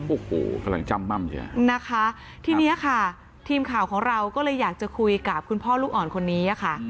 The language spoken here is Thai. โอ้โฮจำบ้ำเฉยนะคะที่นี้ค่ะทีมข่าวเราก็เลยอยากจะคุยกับคุณพ่อลูกอ่อนคนนี้ค่ะ